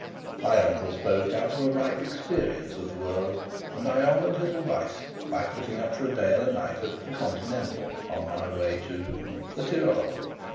My uncle spoke out of a ripe experience of the world, and I honoured his advice by putting up for a day and a night at "The Continental" on my way to the Tyrol.